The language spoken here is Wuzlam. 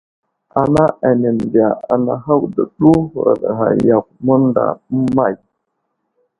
Ana anaŋ məndiya anahakw dəɗu, huraɗ ghay yakw mənday əmay !